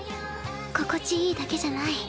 心地いいだけじゃない。